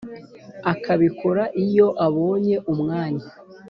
akabikora iyo abonye umwanya.